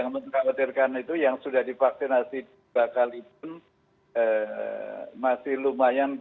kemarin tergolong lalu musim mereka semakin cadang